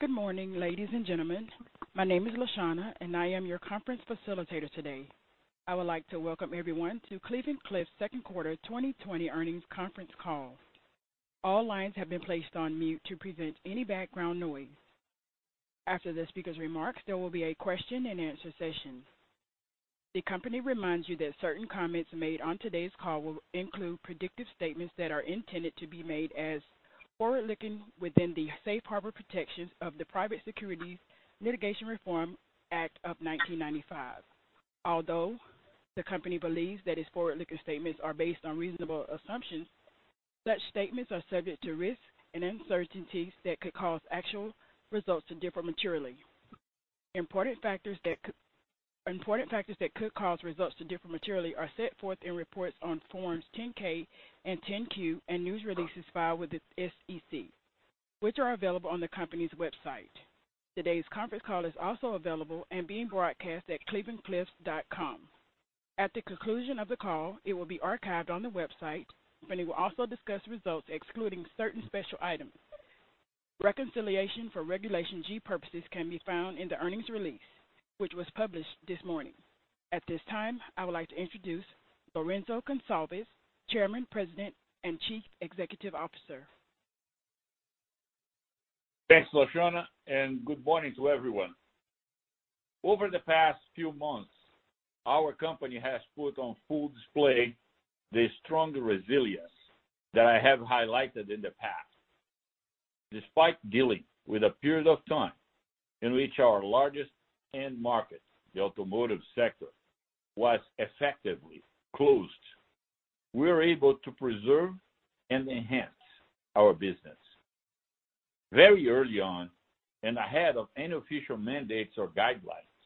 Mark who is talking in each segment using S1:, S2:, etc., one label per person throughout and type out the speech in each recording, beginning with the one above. S1: Good morning, ladies and gentlemen. My name is Lashana, and I am your conference facilitator today. I would like to welcome everyone to Cleveland-Cliffs' second quarter 2020 earnings conference call. All lines have been placed on mute to prevent any background noise. After the speaker's remarks, there will be a question and answer session. The company reminds you that certain comments made on today's call will include predictive statements that are intended to be made as forward-looking within the safe harbor protections of the Private Securities Litigation Reform Act of 1995. Although the company believes that its forward-looking statements are based on reasonable assumptions, such statements are subject to risks and uncertainties that could cause actual results to differ materially. Important factors that could cause results to differ materially are set forth in reports on Forms 10-K and 10-Q and news releases filed with the SEC, which are available on the company's website. Today's conference call is also available and being broadcast at clevelandcliffs.com. At the conclusion of the call, it will be archived on the website. The company will also discuss results excluding certain special items. Reconciliation for Regulation G purposes can be found in the earnings release, which was published this morning. At this time, I would like to introduce Lourenco Goncalves, Chairman, President, and Chief Executive Officer.
S2: Thanks, Lashana, good morning to everyone. Over the past few months, our company has put on full display the strong resilience that I have highlighted in the past. Despite dealing with a period of time in which our largest end market, the automotive sector, was effectively closed, we were able to preserve and enhance our business. Very early on, ahead of any official mandates or guidelines,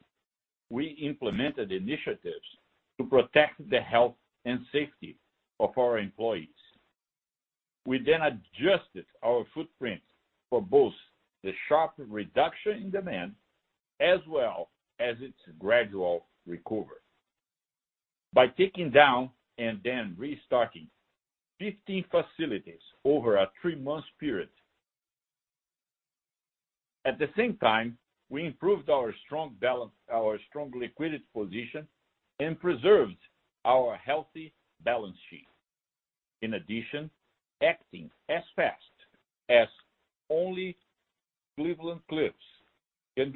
S2: we implemented initiatives to protect the health and safety of our employees. We adjusted our footprint for both the sharp reduction in demand as well as its gradual recovery, by taking down and then restarting 15 facilities over a three-month period. At the same time, we improved our strong liquidity position and preserved our healthy balance sheet. In addition, acting as fast as only Cleveland-Cliffs can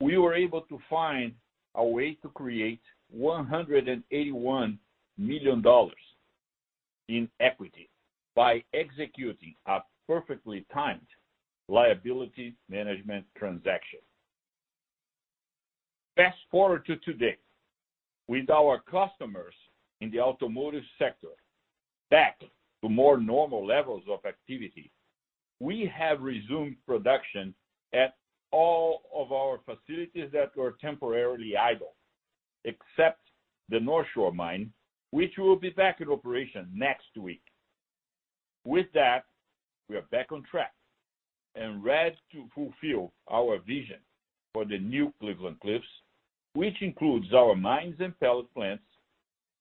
S2: do, we were able to find a way to create $181 million in equity by executing a perfectly timed liability management transaction. Fast-forward to today. With our customers in the automotive sector back to more normal levels of activity, we have resumed production at all of our facilities that were temporarily idle, except the Northshore Mine, which will be back in operation next week. With that, we are back on track and ready to fulfill our vision for the new Cleveland-Cliffs, which includes our mines and pellet plants,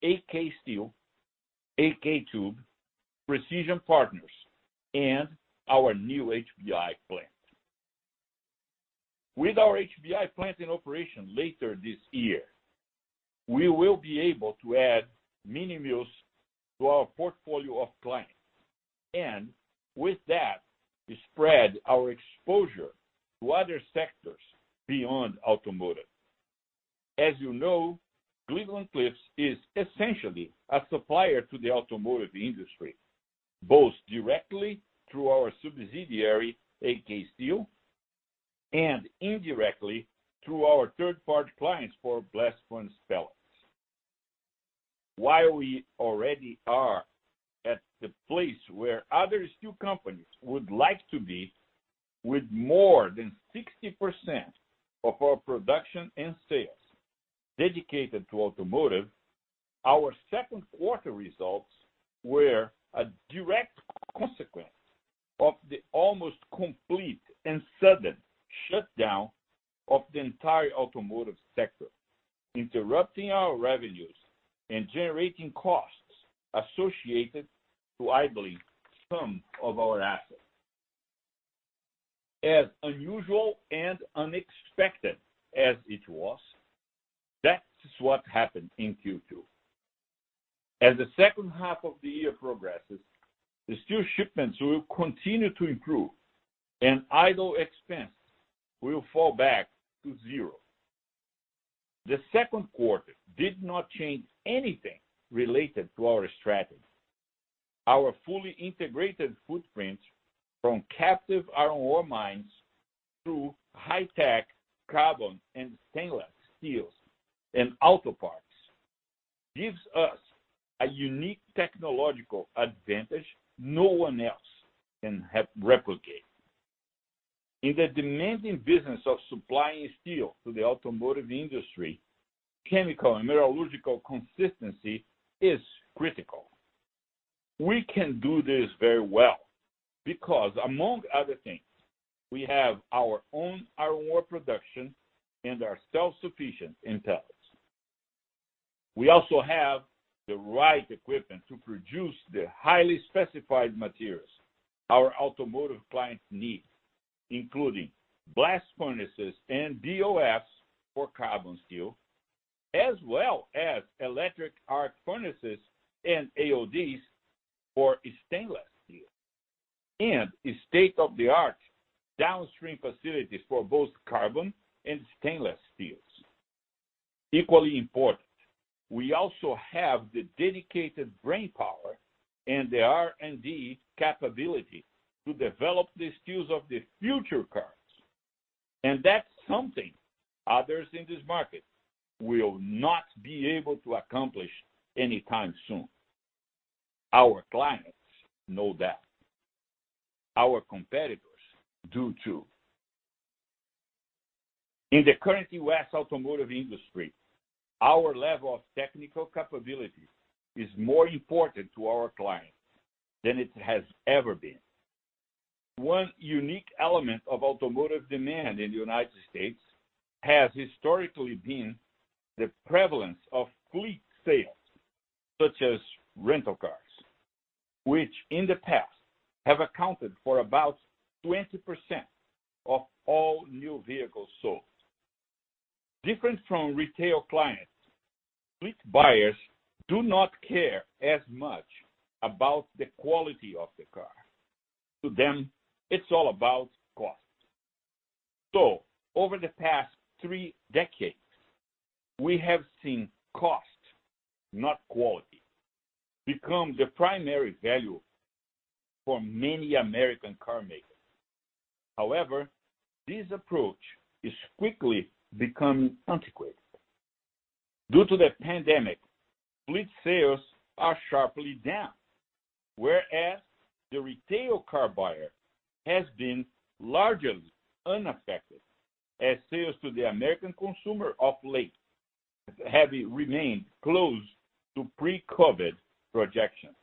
S2: AK Steel, AK Tube, Precision Partners, and our new HBI plant. With our HBI plant in operation later this year, we will be able to add mini-mills to our portfolio of plants, and with that, spread our exposure to other sectors beyond automotive. As you know, Cleveland-Cliffs is essentially a supplier to the automotive industry, both directly through our subsidiary, AK Steel, and indirectly through our third-party clients for blast furnace pellets. While we already are at the place where other steel companies would like to be, with more than 60% of our production and sales dedicated to automotive, our second quarter results were a direct consequence of the almost complete and sudden shutdown of the entire automotive sector, interrupting our revenues and generating costs associated to idling some of our assets. As unusual and unexpected as it was, that's what happened in Q2. As the second half of the year progresses, the steel shipments will continue to improve, and idle expense will fall back to zero. The second quarter did not change anything related to our strategy. Our fully integrated footprint from captive iron ore mines through high-tech carbon and stainless steels and auto parts gives us a unique technological advantage no one else can replicate. In the demanding business of supplying steel to the automotive industry, chemical and metallurgical consistency is critical. We can do this very well because, among other things, we have our own iron ore production and are self-sufficient in pellets. We also have the right equipment to produce the highly specified materials our automotive clients need, including blast furnaces and BOFs for carbon steel, as well as electric arc furnaces and AODs for stainless steel, and state-of-the-art downstream facilities for both carbon and stainless steels. Equally important, we also have the dedicated brainpower and the R&D capability to develop the steels of the future cars, and that's something others in this market will not be able to accomplish anytime soon. Our clients know that. Our competitors do, too. In the current U.S. automotive industry, our level of technical capabilities is more important to our clients than it has ever been. One unique element of automotive demand in the United States has historically been the prevalence of fleet sales, such as rental cars, which in the past have accounted for about 20% of all new vehicles sold. Different from retail clients, fleet buyers do not care as much about the quality of the car. To them, it's all about cost. Over the past three decades, we have seen cost, not quality, become the primary value for many American car makers. However, this approach is quickly becoming antiquated. Due to the pandemic, fleet sales are sharply down, whereas the retail car buyer has been largely unaffected, as sales to the American consumer of late have remained close to pre-COVID projections.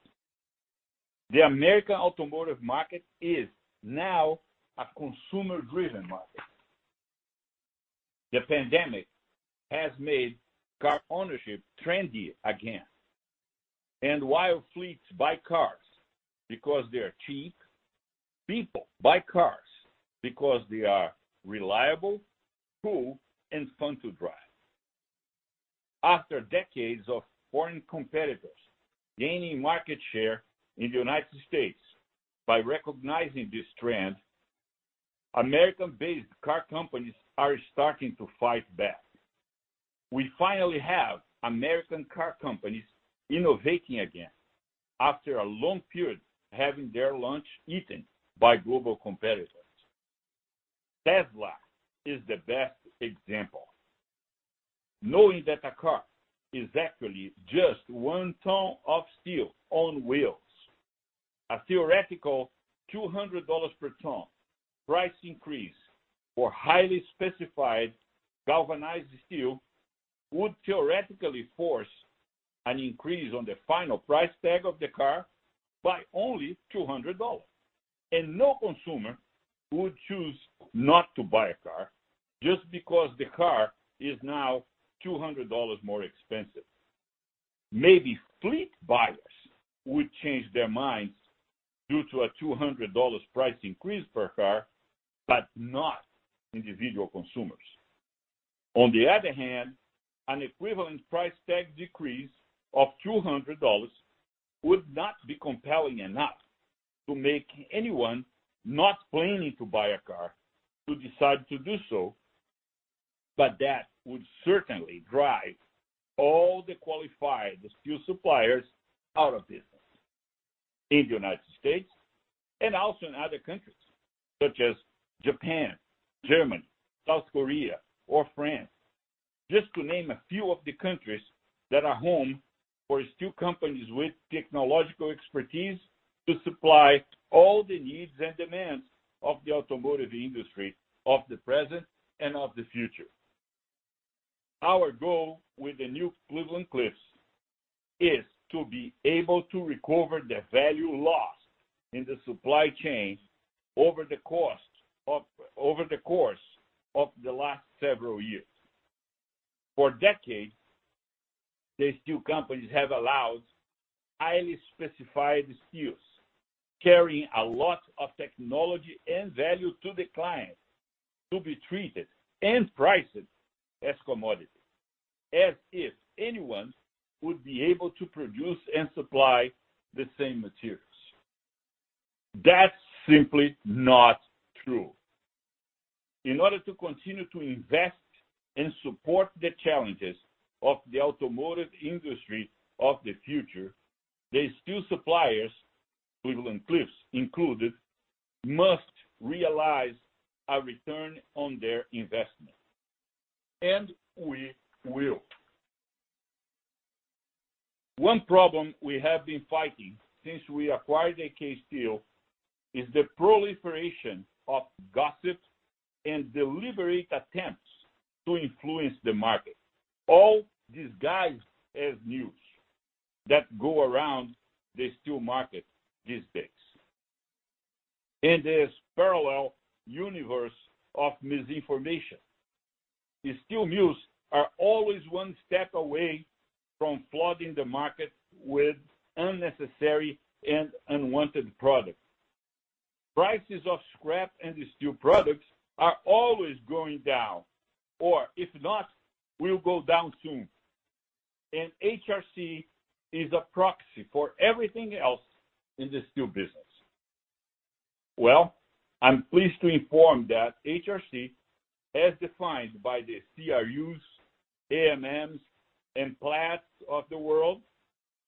S2: The American automotive market is now a consumer-driven market. The pandemic has made car ownership trendy again. While fleets buy cars because they're cheap, people buy cars because they are reliable, cool, and fun to drive. After decades of foreign competitors gaining market share in the United States by recognizing this trend, American-based car companies are starting to fight back. We finally have American car companies innovating again after a long period having their lunch eaten by global competitors. Tesla is the best example. Knowing that a car is actually just 1 tons of steel on wheels, a theoretical $200 per tons price increase for highly specified galvanized steel would theoretically force an increase on the final price tag of the car by only $200. No consumer would choose not to buy a car just because the car is now $200 more expensive. Maybe fleet buyers would change their minds due to a $200 price increase per car, but not individual consumers. On the other hand, an equivalent price tag decrease of $200 would not be compelling enough to make anyone not planning to buy a car to decide to do so. That would certainly drive all the qualified steel suppliers out of business in the U.S. and also in other countries, such as Japan, Germany, South Korea, or France, just to name a few of the countries that are home for steel companies with technological expertise to supply all the needs and demands of the automotive industry of the present and of the future. Our goal with the new Cleveland-Cliffs is to be able to recover the value lost in the supply chain over the course of the last several years. For decades, the steel companies have allowed highly specified steels carrying a lot of technology and value to the client to be treated and priced as commodity, as if anyone would be able to produce and supply the same materials. That's simply not true. In order to continue to invest and support the challenges of the automotive industry of the future, the steel suppliers, Cleveland-Cliffs included, must realize a return on their investment and we will. One problem we have been fighting since we acquired AK Steel is the proliferation of gossip and deliberate attempts to influence the market, all disguised as news that go around the steel market these days. In this parallel universe of misinformation, the steel mills are always one step away from flooding the market with unnecessary and unwanted products. Prices of scrap and steel products are always going down. If not, will go down soon. HRC is a proxy for everything else in the steel business. Well, I'm pleased to inform that HRC, as defined by the CRUs, AMMs, and Platts of the world,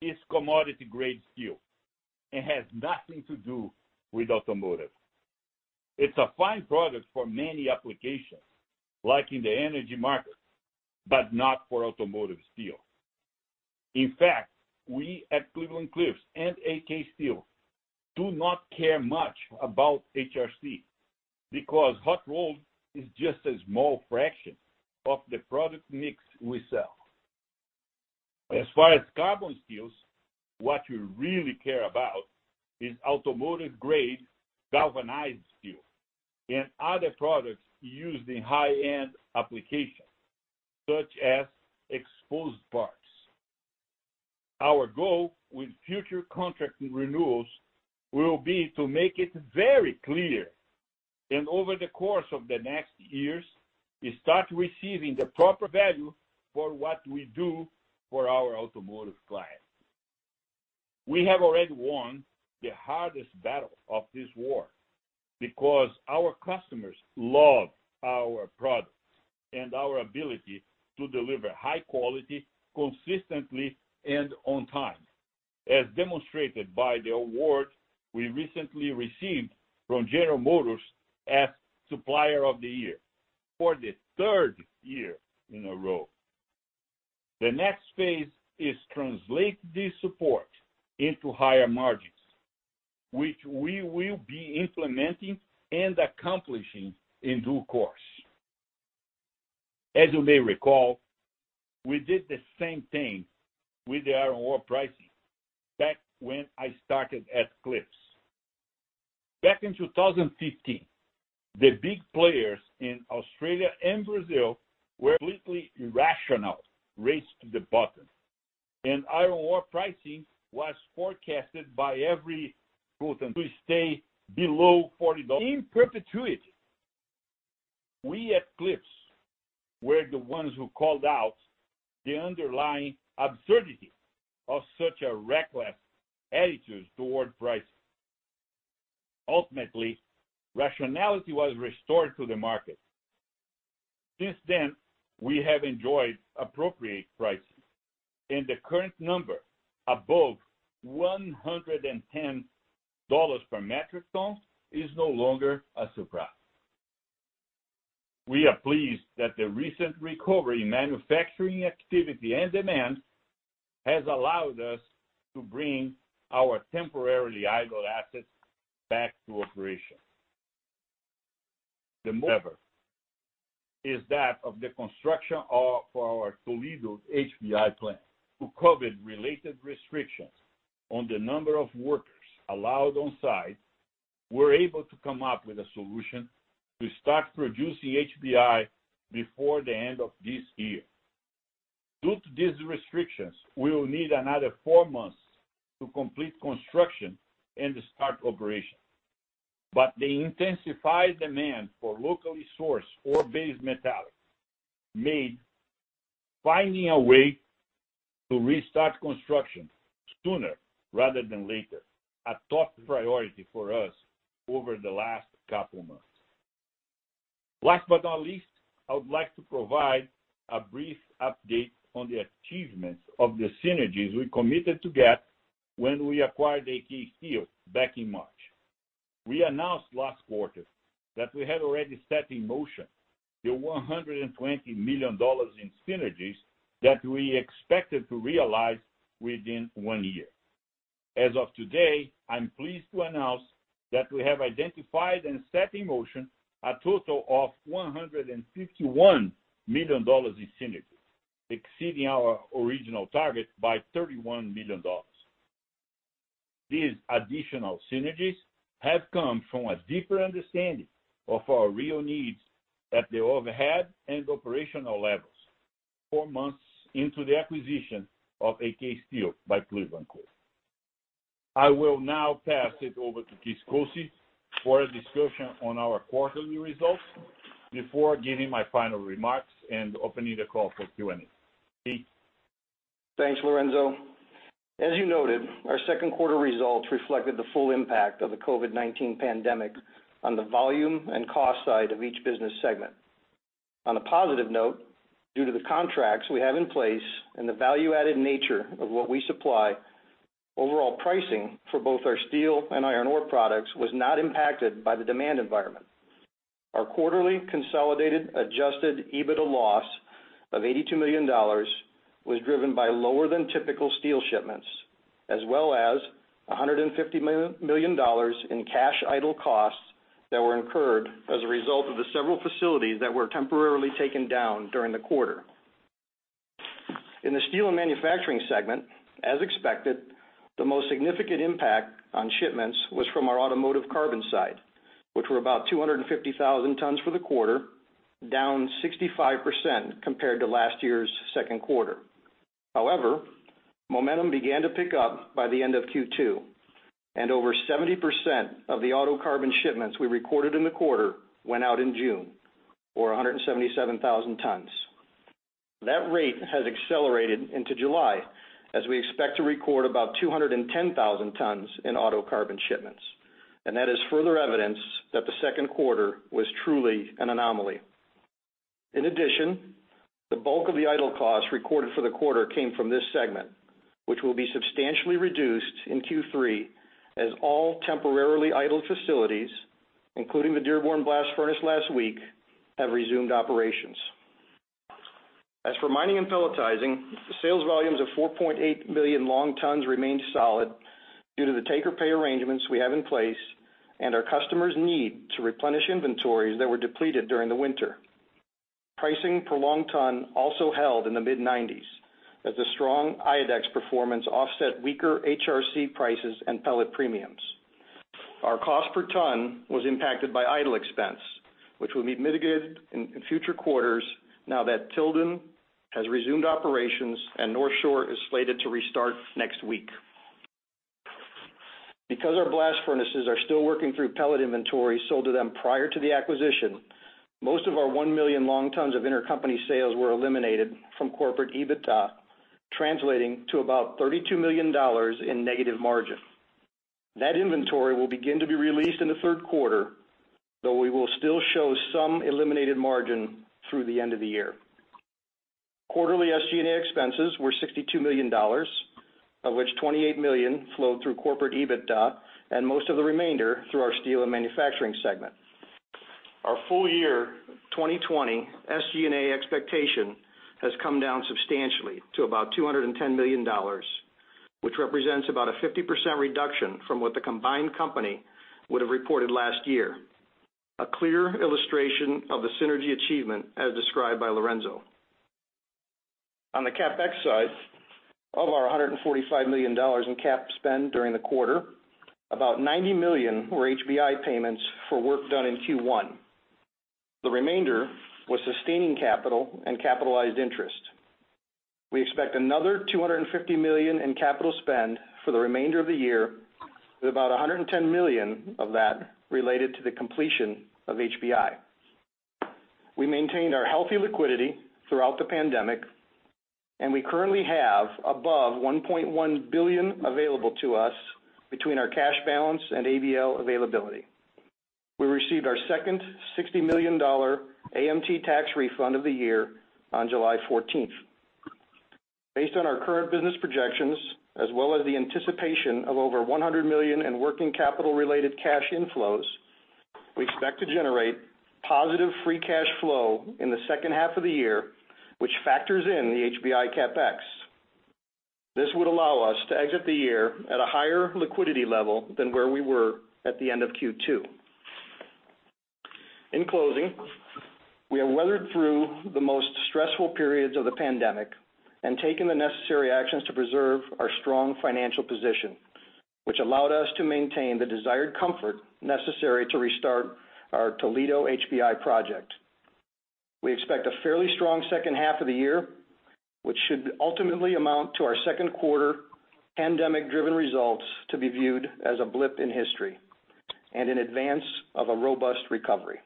S2: is commodity-grade steel. It has nothing to do with automotive. It's a fine product for many applications, like in the energy market, but not for automotive steel. In fact, we at Cleveland-Cliffs and AK Steel do not care much about HRC, because hot rolled is just a small fraction of the product mix we sell. As far as carbon steels, what you really care about is automotive-grade galvanized steel and other products used in high-end applications, such as exposed parts. Our goal with future contract renewals will be to make it very clear, and over the course of the next years, we start receiving the proper value for what we do for our automotive clients. We have already won the hardest battle of this war because our customers love our products and our ability to deliver high quality consistently and on time, as demonstrated by the award we recently received from General Motors as Supplier of the Year for the third year in a row. The next phase is translate this support into higher margins, which we will be implementing and accomplishing in due course. As you may recall, we did the same thing with the iron ore pricing back when I started at Cliffs. Back in 2015, the big players in Australia and Brazil were completely irrational, race to the bottom. Iron ore pricing was forecasted by every quote "to stay below $40 in perpetuity." We at Cliffs were the ones who called out the underlying absurdity of such a reckless attitude toward pricing. Ultimately, rationality was restored to the market. Since then, we have enjoyed appropriate pricing, and the current number above $110 per metric tons is no longer a surprise. We are pleased that the recent recovery in manufacturing activity and demand has allowed us to bring our temporarily idle assets back to operation. Another, is that of the construction of our Toledo HBI plant. Through COVID-related restrictions on the number of workers allowed on-site, we're able to come up with a solution to start producing HBI before the end of this year. Due to these restrictions, we will need another four months to complete construction and to start operation. The intensified demand for locally sourced ore-based metallic made finding a way to restart construction sooner rather than later a top priority for us over the last couple months. Last but not least, I would like to provide a brief update on the achievements of the synergies we committed to get when we acquired AK Steel back in March. We announced last quarter that we had already set in motion the $120 million in synergies that we expected to realize within one year. As of today, I'm pleased to announce that we have identified and set in motion a total of $151 million in synergies, exceeding our original target by $31 million. These additional synergies have come from a deeper understanding of our real needs at the overhead and operational levels four months into the acquisition of AK Steel by Cleveland-Cliffs. I will now pass it over to Keith Koci for a discussion on our quarterly results before giving my final remarks and opening the call for Q&A. Keith?
S3: Thanks, Lourenco. As you noted, our second quarter results reflected the full impact of the COVID-19 pandemic on the volume and cost side of each business segment. On a positive note, due to the contracts we have in place and the value-added nature of what we supply, overall pricing for both our steel and iron ore products was not impacted by the demand environment. Our quarterly consolidated adjusted EBITDA loss of $82 million was driven by lower than typical steel shipments, as well as $150 million in cash idle costs that were incurred as a result of the several facilities that were temporarily taken down during the quarter. In the Steel and Manufacturing segment, as expected, the most significant impact on shipments was from our automotive carbon side, which were about 250,000 tons for the quarter, down 65% compared to last year's second quarter. However, momentum began to pick up by the end of Q2, and over 70% of the auto carbon shipments we recorded in the quarter went out in June, or 177,000 tons. That rate has accelerated into July, as we expect to record about 210,000 tons in auto carbon shipments. That is further evidence that the second quarter was truly an anomaly. In addition, the bulk of the idle costs recorded for the quarter came from this segment, which will be substantially reduced in Q3 as all temporarily idled facilities, including the Dearborn blast furnace last week, have resumed operations. As for Mining and Pelletizing, the sales volumes of 4.8 million long tons remained solid due to the take-or-pay arrangements we have in place and our customers' need to replenish inventories that were depleted during the winter. Pricing per long tons also held in the mid-$90s as the strong IO index performance offset weaker HRC prices and pellet premiums. Our cost per tons was impacted by idle expense, which will be mitigated in future quarters now that Tilden has resumed operations and Northshore is slated to restart next week. Our blast furnaces are still working through pellet inventories sold to them prior to the acquisition, most of our 1 million long tons of intercompany sales were eliminated from corporate EBITDA, translating to about $32 million in negative margin. That inventory will begin to be released in the third quarter, though we will still show some eliminated margin through the end of the year. Quarterly SG&A expenses were $62 million, of which $28 million flowed through corporate EBITDA and most of the remainder through our Steel and Manufacturing segment. Our full year 2020 SG&A expectation has come down substantially to about $210 million, which represents about a 50% reduction from what the combined company would have reported last year. A clear illustration of the synergy achievement, as described by Lourenco. On the CapEx side, of our $145 million in cap spend during the quarter, about $90 million were HBI payments for work done in Q1. The remainder was sustaining capital and capitalized interest. We expect another $250 million in capital spend for the remainder of the year, with about $110 million of that related to the completion of HBI. We maintained our healthy liquidity throughout the pandemic. We currently have above $1.1 billion available to us between our cash balance and ABL availability. We received our second $60 million AMT tax refund of the year on July 14th. Based on our current business projections, as well as the anticipation of over $100 million in working capital-related cash inflows, we expect to generate positive free cash flow in the second half of the year, which factors in the HBI CapEx. This would allow us to exit the year at a higher liquidity level than where we were at the end of Q2. In closing, we have weathered through the most stressful periods of the pandemic and taken the necessary actions to preserve our strong financial position, which allowed us to maintain the desired comfort necessary to restart our Toledo HBI project. We expect a fairly strong second half of the year, which should ultimately amount to our second quarter pandemic-driven results to be viewed as a blip in history and in advance of a robust recovery.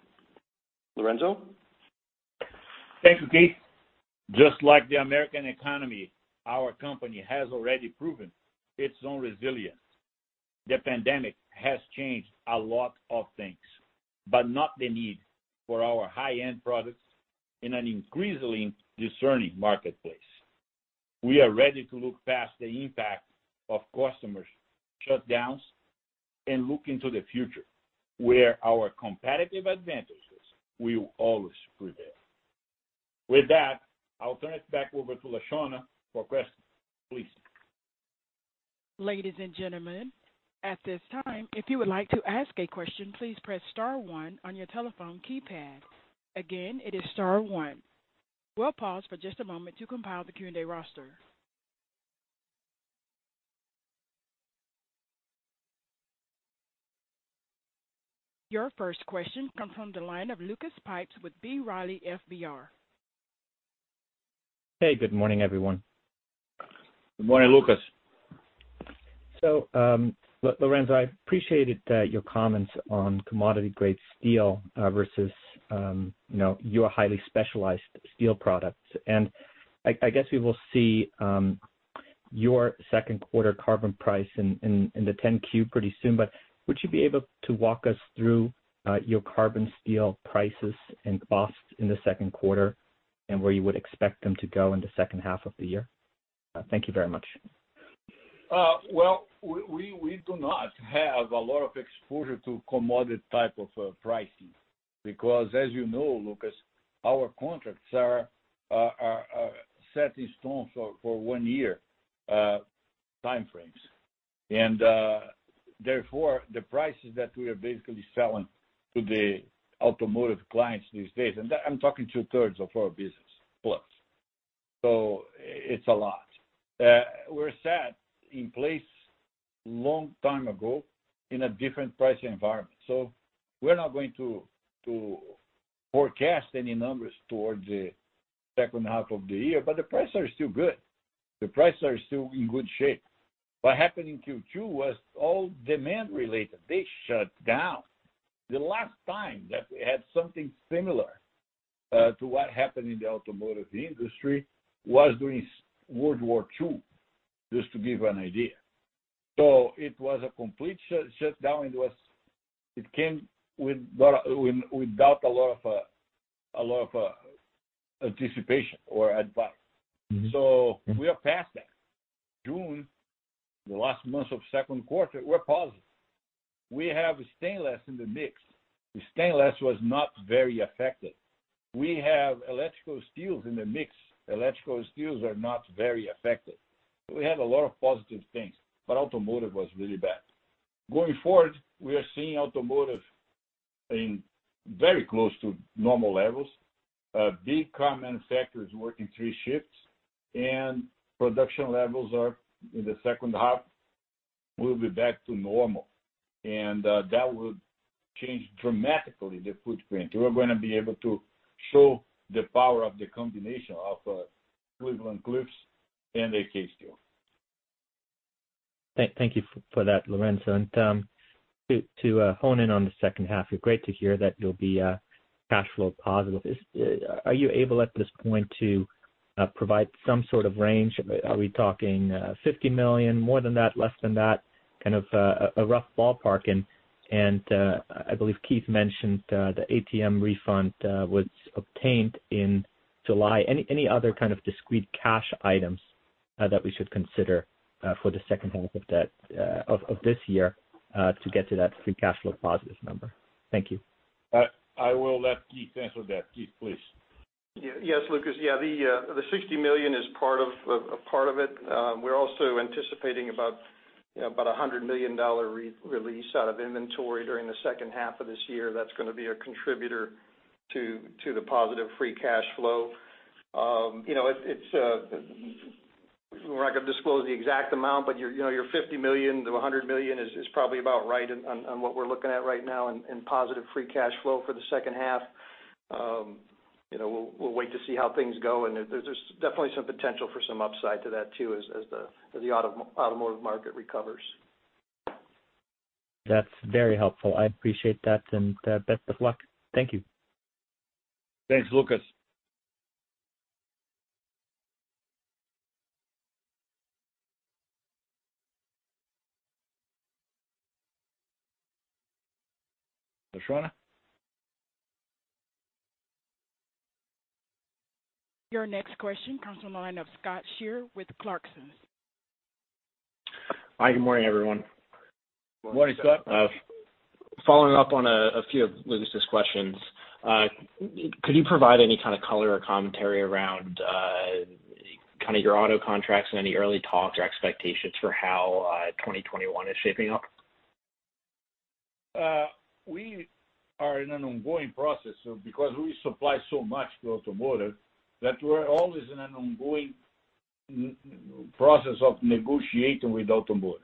S3: Lourenco?
S2: Thank you, Keith. Just like the American economy, our company has already proven its own resilience. The pandemic has changed a lot of things, but not the need for our high-end products in an increasingly discerning marketplace. We are ready to look past the impact of customers' shutdowns and look into the future where our competitive advantages will always prevail. With that, I'll turn it back over to Lashana for questions. Please.
S1: Ladies and gentlemen, at this time, if you would like to ask a question, please press star one on your telephone keypad. Again, it is star one. We will pause for just a moment to compile the Q&A roster. Your first question comes from the line of Lucas Pipes with B. Riley FBR.
S4: Hey. Good morning, everyone.
S2: Good morning, Lucas.
S4: Lourenco, I appreciated your comments on commodity-grade steel versus your highly specialized steel products. I guess we will see your second quarter carbon price in the 10-Q pretty soon, but would you be able to walk us through your carbon steel prices and costs in the second quarter and where you would expect them to go in the second half of the year? Thank you very much.
S2: Well, we do not have a lot of exposure to commodity type of pricing because, as you know, Lucas, our contracts are set in stone for one-year timeframes. Therefore, the prices that we are basically selling to the automotive clients these days, and I'm talking 2/3 of our business plus, were set in place long time ago in a different pricing environment. It's a lot. We're not going to forecast any numbers towards the second half of the year. The prices are still good. The prices are still in good shape. What happened in Q2 was all demand related. They shut down. The last time that we had something similar to what happened in the automotive industry was during World War II, just to give you an idea. It was a complete shutdown. It came without a lot of anticipation or advice. We are past that. June, the last month of second quarter, we're positive. We have stainless in the mix. The stainless was not very affected. We have electrical steels in the mix. Electrical steels are not very affected. We have a lot of positive things, but automotive was really bad. Going forward, we are seeing automotive in very close to normal levels. Big car manufacturers working three shifts and production levels are in the second half, we'll be back to normal. That would change dramatically the footprint. We're going to be able to show the power of the combination of Cleveland-Cliffs and AK Steel.
S4: Thank you for that, Lourenco. To hone in on the second half, great to hear that you'll be cash flow positive. Are you able, at this point, to provide some sort of range? Are we talking $50 million, more than that, less than that? Kind of a rough ballpark. I believe Keith mentioned the AMT refund was obtained in July. Any other kind of discrete cash items that we should consider for the second half of this year to get to that free cash flow positive number? Thank you.
S2: I will let Keith answer that. Keith, please.
S3: Yes, Lucas. Yeah, the $60 million is a part of it. We're also anticipating about a $100 million release out of inventory during the second half of this year. That's going to be a contributor to the positive free cash flow. We're not going to disclose the exact amount. Your $50 million-$100 million is probably about right on what we're looking at right now in positive free cash flow for the second half. We'll wait to see how things go. There's definitely some potential for some upside to that too as the automotive market recovers.
S4: That's very helpful. I appreciate that, and best of luck. Thank you.
S2: Thanks, Lucas. Operator?
S1: Your next question comes on the line of Scott Schier with Clarksons.
S5: Hi, good morning, everyone.
S2: Morning, Scott.
S5: Following up on a few of Lucas's questions. Could you provide any kind of color or commentary around kind of your auto contracts and any early talks or expectations for how 2021 is shaping up?
S2: We are in an ongoing process. Because we supply so much to automotive, that we're always in an ongoing process of negotiating with automotive.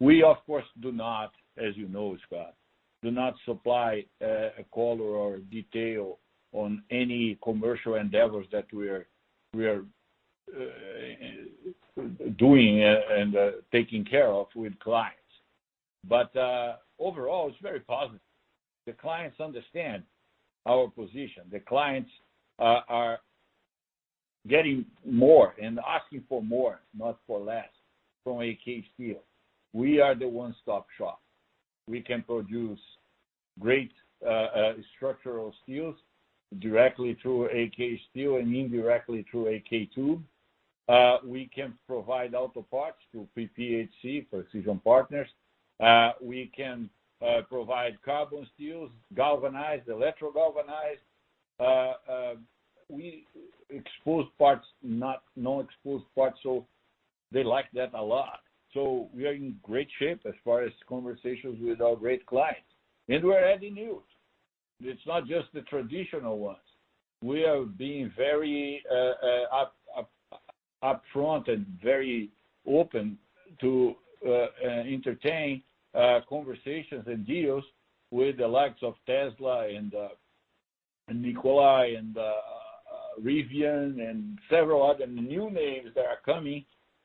S2: We, of course, do not, as you know, Scott, do not supply a color or detail on any commercial endeavors that we are doing and taking care of with clients. Overall, it's very positive. The clients understand our position. The clients are getting more and asking for more, not for less from AK Steel. We are the one-stop shop. We can produce great structural steels directly through AK Steel and indirectly through AK Tube. We can provide auto parts through PPHC, Precision Partners. We can provide carbon steels, galvanized, electrogalvanized. Exposed parts, non-exposed parts. They like that a lot. We are in great shape as far as conversations with our great clients, and we're adding new. It's not just the traditional ones. We are being very upfront and very open to entertain conversations and deals with the likes of Tesla and Nikola and Rivian and several other new names that are coming.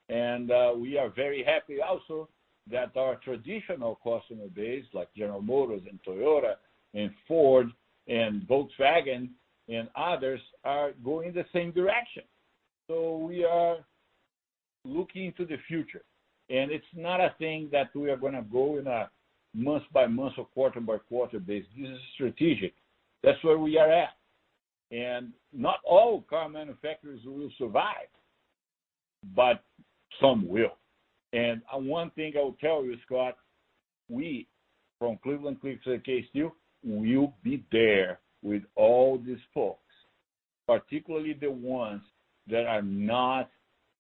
S2: We are very happy also that our traditional customer base, like General Motors and Toyota and Ford and Volkswagen and others, are going the same direction. We are looking to the future, and it's not a thing that we are going to go in a month-by-month or quarter-by-quarter basis. This is strategic. That's where we are at. Not all car manufacturers will survive, but some will. One thing I will tell you, Scott, we from Cleveland-Cliffs/AK Steel will be there with all these folks. Particularly the ones that are not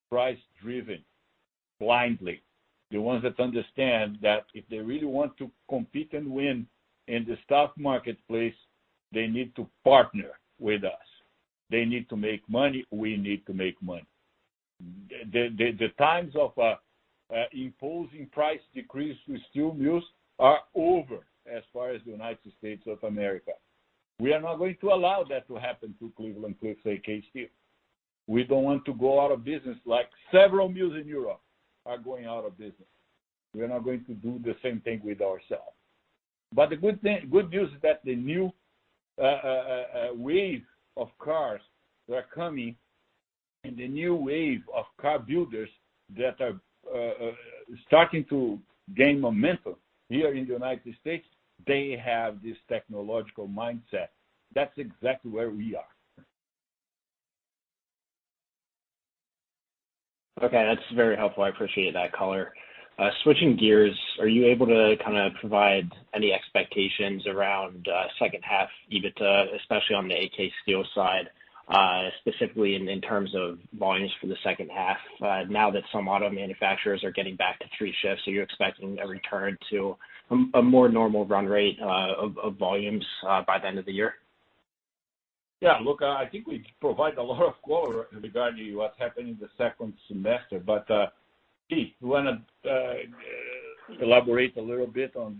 S2: price-driven blindly. The ones that understand that if they really want to compete and win in the stock marketplace, they need to partner with us. They need to make money, we need to make money. The times of imposing price decrees with steel mills are over as far as the United States of America. We are not going to allow that to happen to Cleveland-Cliffs AK Steel. We don't want to go out of business, like several mills in Europe are going out of business. We're not going to do the same thing with ourselves. The good news is that the new wave of cars that are coming, and the new wave of car builders that are starting to gain momentum here in the U.S., they have this technological mindset. That's exactly where we are.
S5: Okay. That's very helpful. I appreciate that color. Switching gears, are you able to provide any expectations around second half EBITDA, especially on the AK Steel side, specifically in terms of volumes for the second half? Now that some auto manufacturers are getting back to three shifts, are you expecting a return to a more normal run rate of volumes by the end of the year?
S2: Yeah. Look, I think we provide a lot of color regarding what's happening in the second semester. Keith, you want to elaborate a little bit on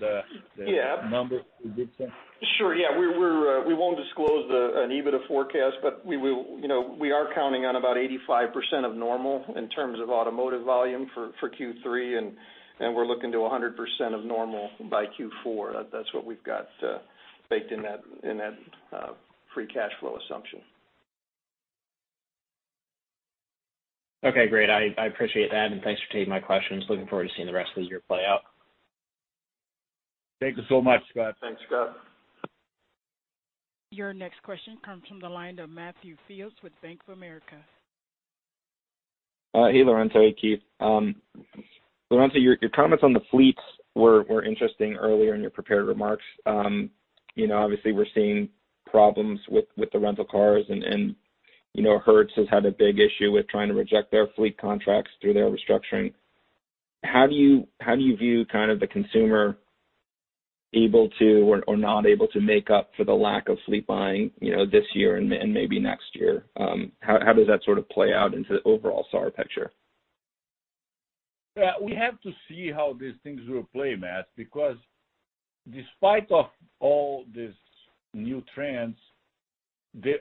S2: numbers for good sense?
S3: Sure, yeah. We won't disclose an EBITDA forecast, but we are counting on about 85% of normal in terms of automotive volume for Q3, and we're looking to 100% of normal by Q4. That's what we've got baked in that free cash flow assumption.
S5: Okay, great. I appreciate that, and thanks for taking my questions. Looking forward to seeing the rest of the year play out.
S2: Thank you so much, Scott.
S3: Thanks, Scott.
S1: Your next question comes from the line of Matthew Fields with Bank of America.
S6: Hey, Lourenco. Hey, Keith. Lourenco, your comments on the fleets were interesting earlier in your prepared remarks. Obviously, we're seeing problems with the rental cars, and Hertz has had a big issue with trying to reject their fleet contracts through their restructuring. How do you view the consumer able to or not able to make up for the lack of fleet buying this year and maybe next year? How does that sort of play out into the overall SAAR picture?
S2: We have to see how these things will play, Matt, because despite of all these new trends, the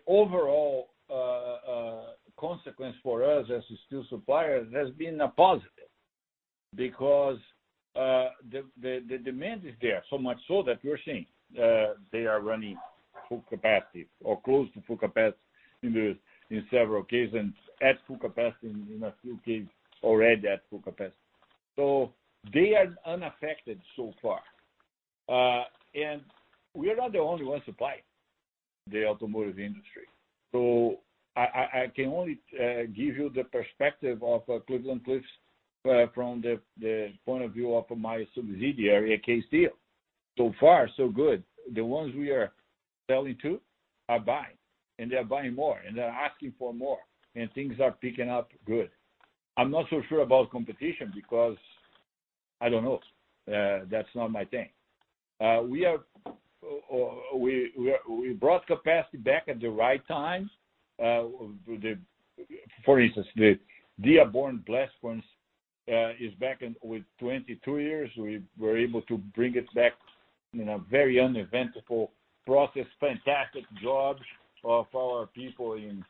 S2: overall consequence for us as a steel supplier has been a positive. The demand is there, so much so that we're seeing they are running full capacity or close to full capacity in several occasions, at full capacity in a few cases already at full capacity. They are unaffected so far. We are not the only ones supplying the automotive industry. I can only give you the perspective of Cleveland-Cliffs from the point of view of my subsidiary, AK Steel. Far, so good. The ones we are selling to are buying, and they are buying more, and they're asking for more, and things are picking up good. I'm not so sure about competition because I don't know. That's not my thing. We brought capacity back at the right time. The Dearborn blast furnace is back with 22 years. We were able to bring it back in a very uneventful process. Fantastic jobs of our people in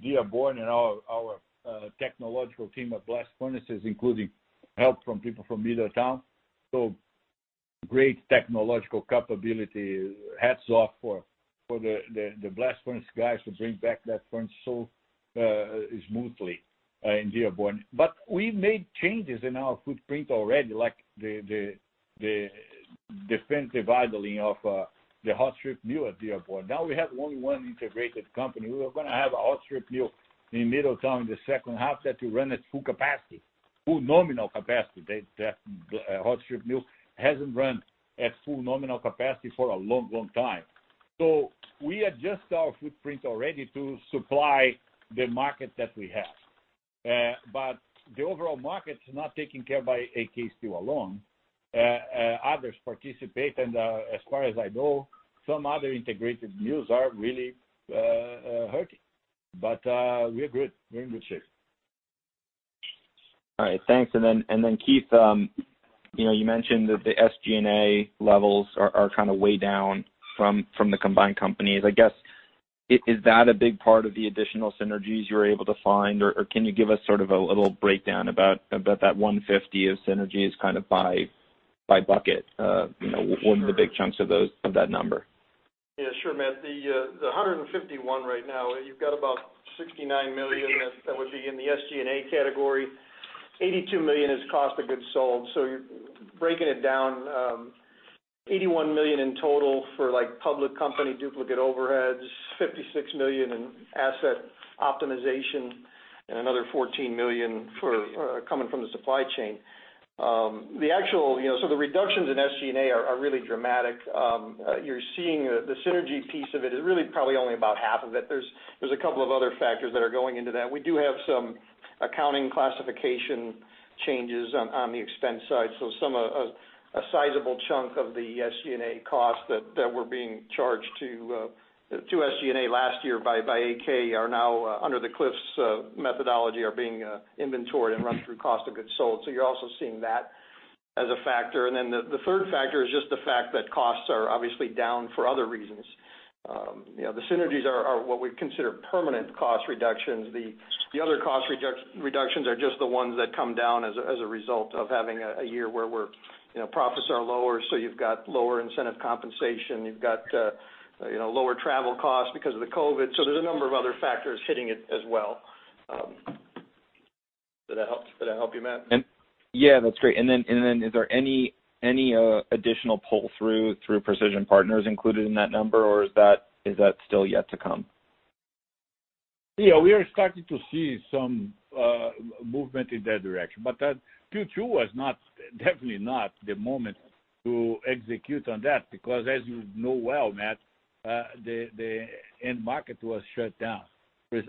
S2: Dearborn and our technological team of blast furnaces, including help from people from Middletown. Great technological capability. Hats off for the blast furnace guys to bring back that furnace so smoothly in Dearborn. We've made changes in our footprint already, like the defensive idling of the hot strip mill at Dearborn. Now we have only one integrated company. We are going to have a hot strip mill in Middletown in the second half that will run at full capacity, full nominal capacity. That hot strip mill hasn't run at full nominal capacity for a long, long time. We adjust our footprint already to supply the market that we have. The overall market is not taken care of by AK Steel alone. Others participate, and as far as I know, some other integrated mills are really hurting. We're good. We're in good shape.
S6: All right. Thanks. Keith, you mentioned that the SG&A levels are kind of way down from the combined companies. I guess, is that a big part of the additional synergies you're able to find, or can you give us sort of a little breakdown about that $150 million of synergies kind of by bucket?
S3: Sure.
S6: What are the big chunks of that number?
S3: Yeah, sure, Matt. The $151 million right now, you've got about $69 million that would be in the SG&A category. $82 million is cost of goods sold. You're breaking it down, $81 million in total for public company duplicate overheads, $56 million in asset optimization and another $14 million coming from the supply chain. The reductions in SG&A are really dramatic. You're seeing the synergy piece of it is really probably only about half of it. There's a couple of other factors that are going into that. We do have some accounting classification changes on the expense side. A sizable chunk of the SG&A costs that were being charged to SG&A last year by AK are now under the Cliffs methodology, are being inventoried and run through cost of goods sold. You're also seeing that as a factor. The third factor is just the fact that costs are obviously down for other reasons. The synergies are what we consider permanent cost reductions. The other cost reductions are just the ones that come down as a result of having a year where profits are lower, so you've got lower incentive compensation, you've got lower travel costs because of the COVID-19. There's a number of other factors hitting it as well. Did that help you, Matt?
S6: Yeah, that's great. Is there any additional pull through Precision Partners included in that number, or is that still yet to come?
S2: Yeah, we are starting to see some movement in that direction, Q2 was definitely not the moment to execute on that because as you know well, Matt, the end market was shut down.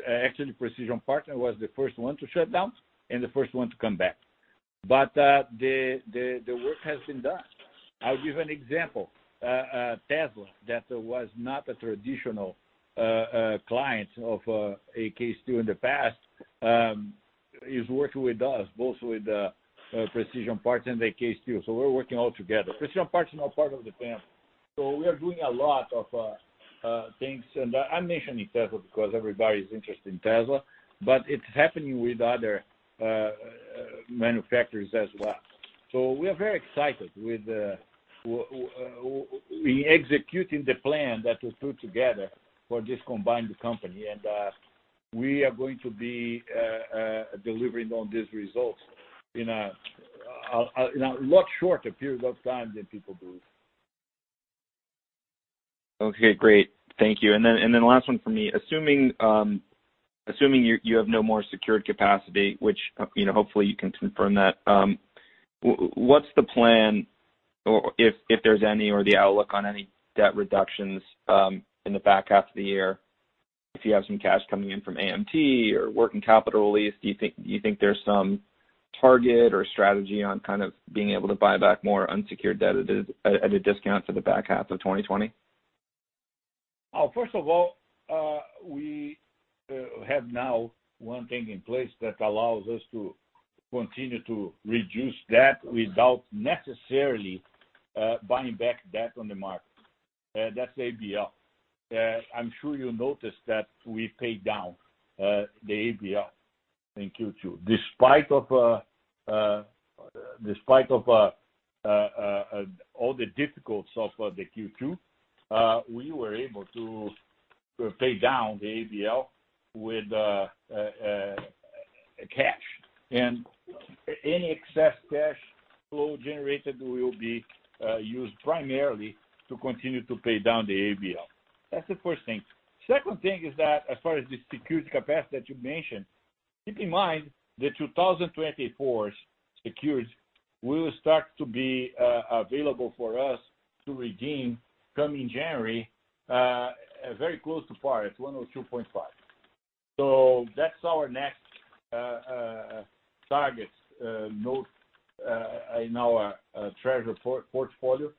S2: Actually, Precision Partners was the first one to shut down and the first one to come back. The work has been done. I'll give you an example. Tesla, that was not a traditional client of AK Steel in the past, is working with us, both with Precision Partners and AK Steel. We're working all together. Precision Partners are part of the family. We are doing a lot of things. I'm mentioning Tesla because everybody's interested in Tesla, but it's happening with other manufacturers as well. We are very excited with executing the plan that we put together for this combined company, and we are going to be delivering on these results in a lot shorter period of time than people believe.
S6: Okay, great. Thank you. Last one from me. Assuming you have no more secured capacity, which hopefully you can confirm that, what's the plan or if there's any, or the outlook on any debt reductions in the back half of the year? If you have some cash coming in from AMT or working capital release, do you think there's some target or strategy on kind of being able to buy back more unsecured debt at a discount for the back half of 2020?
S2: First of all, we have now one thing in place that allows us to continue to reduce debt without necessarily buying back debt on the market. That's ABL. I'm sure you noticed that we paid down the ABL in Q2. Despite of all the difficulties of the Q2, we were able to pay down the ABL with cash. Any excess cash flow generated will be used primarily to continue to pay down the ABL. That's the first thing. Second thing is that as far as the secured capacity that you mentioned, keep in mind the 2024 secureds will start to be available for us to redeem coming January, very close to par at $102.5 million. That's our next target in our treasure portfolio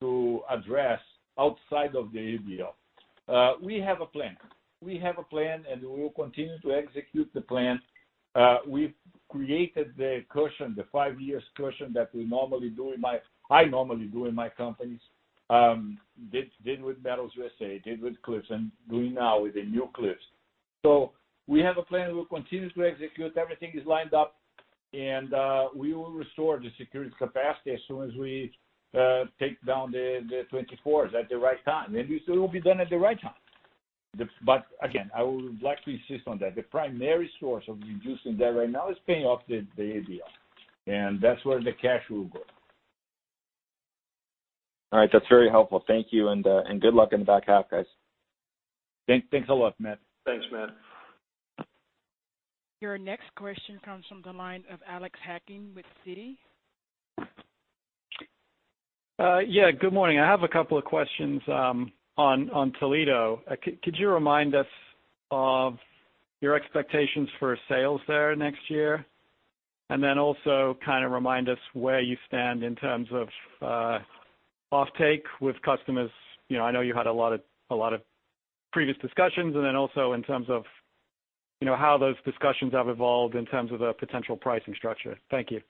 S2: to address outside of the ABL. We have a plan, and we will continue to execute the plan. We've created the cushion, the five years cushion that I normally do in my companies. Did with Metals USA, did with Cliffs, doing now with the new Cliffs. We have a plan, we'll continue to execute. Everything is lined up, we will restore the secured capacity as soon as we take down the 2024s at the right time, it will be done at the right time. Again, I would like to insist on that the primary source of reducing debt right now is paying off the ABL, that's where the cash will go.
S6: All right. That's very helpful. Thank you, and good luck in the back half, guys.
S2: Thanks a lot, Matt.
S3: Thanks, Matt.
S1: Your next question comes from the line of Alex Hacking with Citi.
S7: Yeah, good morning. I have a couple of questions on Toledo. Could you remind us of your expectations for sales there next year? Also kind of remind us where you stand in terms of offtake with customers. I know you had a lot of previous discussions, and then also in terms of how those discussions have evolved in terms of a potential pricing structure. Thank you.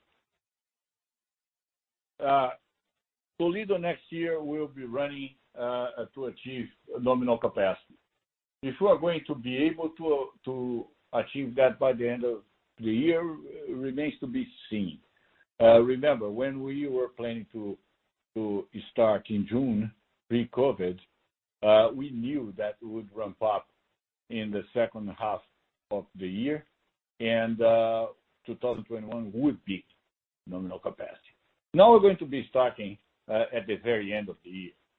S2: Toledo next year will be running to achieve nominal capacity. If we are going to be able to achieve that by the end of the year remains to be seen. Remember, when we were planning to start in June, pre-COVID, we knew that we would ramp up in the second half of the year and 2021 would be nominal capacity. We're going to be starting at the very end of the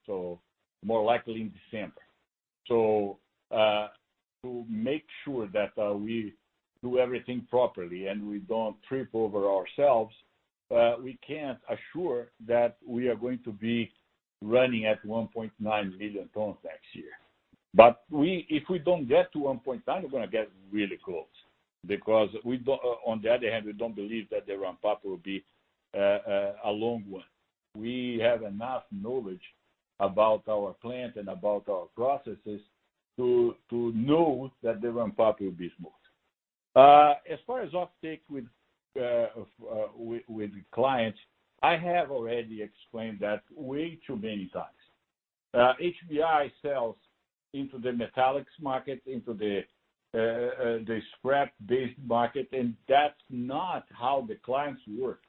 S2: year, more likely in December. To make sure that we do everything properly and we don't trip over ourselves, we can't assure that we are going to be running at 1.9 million tons next year. If we don't get to 1.9 million tons, we're going to get really close, because on the other hand, we don't believe that the ramp-up will be a long one. We have enough knowledge about our plant and about our processes to know that the ramp-up will be smooth. As far as off-take with clients, I have already explained that way too many times. HBI sells into the metallics market, into the scrap-based market, and that's not how the clients work.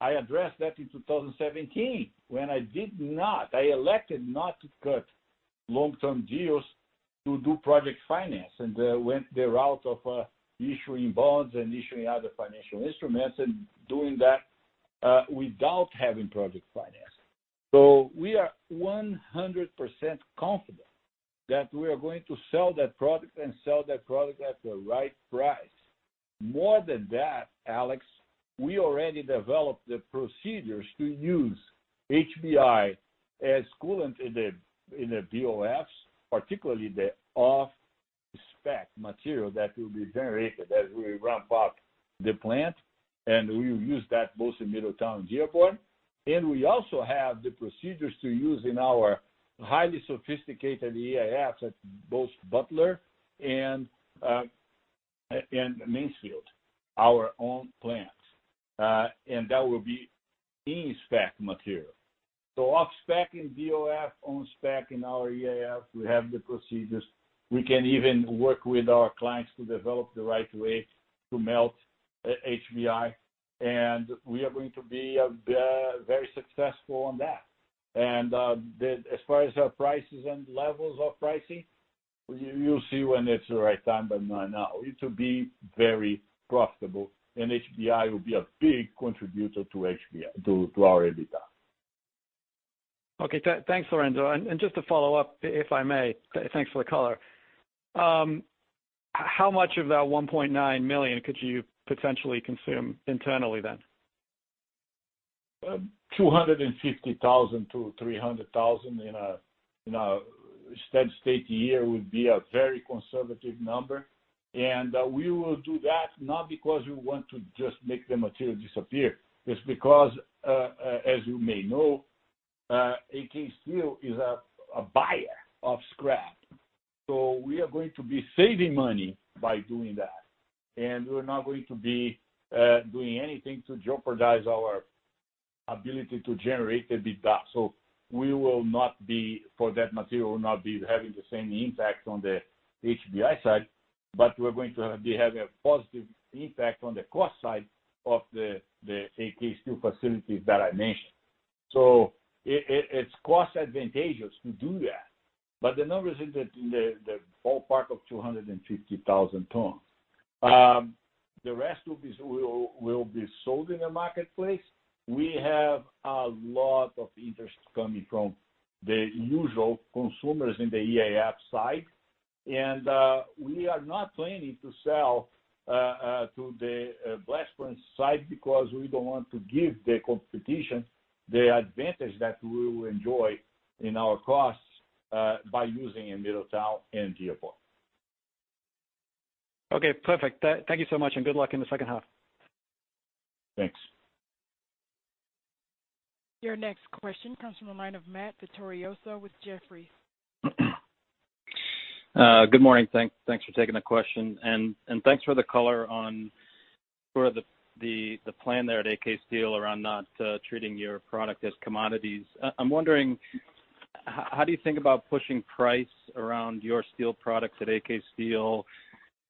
S2: I addressed that in 2017, when I did not, I elected not to cut long-term deals to do project finance and went the route of issuing bonds and issuing other financial instruments, and doing that without having project finance. We are 100% confident that we are going to sell that product and sell that product at the right price. More than that, Alex, we already developed the procedures to use HBI as coolant in the BOFs, particularly the off-spec material that will be generated as we ramp up the plant, and we will use that both in Middletown and Dearborn. We also have the procedures to use in our highly sophisticated EAFs at both Butler and Mansfield, our own plants. That will be in-spec material. Off-spec in BOF, On-spec in our EAF, we have the procedures. We can even work with our clients to develop the right way to melt HBI, and we are going to be very successful on that. As far as our prices and levels of pricing, you'll see when it's the right time, but not now. It will be very profitable, and HBI will be a big contributor to our EBITDA.
S7: Okay. Thanks, Lourenco. Just to follow up, if I may. Thanks for the color. How much of that 1.9 million tons could you potentially consume internally?
S2: 250,000-300,000 tons in a steady state year would be a very conservative number. We will do that, not because we want to just make the material disappear. It's because, as you may know, AK Steel is a buyer of scrap. We are going to be saving money by doing that, and we're not going to be doing anything to jeopardize our ability to generate EBITDA. We will not be, for that material, will not be having the same impact on the HBI side, but we're going to be having a positive impact on the cost side of the AK Steel facilities that I mentioned. It's cost advantageous to do that, but the numbers in the ballpark of 250,000 tons. The rest will be sold in the marketplace. We have a lot of interest coming from the usual consumers in the EAF side, and we are not planning to sell to the blast furnace side because we don't want to give the competition the advantage that we will enjoy in our costs by using in Middletown and Dearborn.
S7: Okay, perfect. Thank you so much, and good luck in the second half.
S2: Thanks.
S1: Your next question comes from the line of Matt Vittorioso with Jefferies.
S8: Good morning. Thanks for taking the question, and thanks for the color on sort of the plan there at AK Steel around not treating your product as commodities. I'm wondering, how do you think about pushing price around your steel products at AK Steel